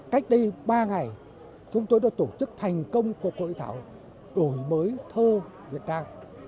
cách đây ba ngày chúng tôi đã tổ chức thành công của hội đổi mới thơ việt nam